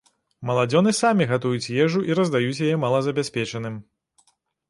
Маладзёны самі гатуюць ежу і раздаюць яе малазабяспечаным.